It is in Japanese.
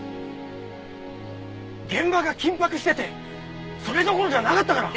現場が緊迫しててそれどころじゃなかったから！